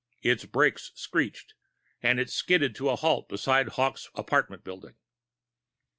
Its brakes screeched, and it skidded to a halt beside Hawkes' apartment building.